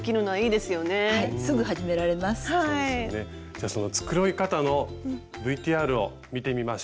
じゃあその繕い方のＶＴＲを見てみましょう！